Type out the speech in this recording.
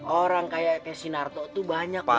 orang kayak si narto tuh banyak bang